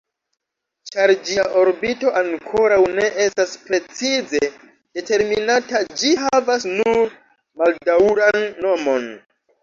Ĉar ĝia orbito ankoraŭ ne estas precize determinata, ĝi havas nur maldaŭran nomon.